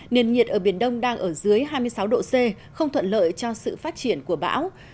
nền nhiệt ở biển đông đang ở dưới hai mươi sáu độ c không thuận lợi cho sự phát triển của bão